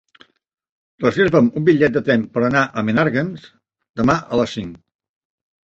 Reserva'm un bitllet de tren per anar a Menàrguens demà a les cinc.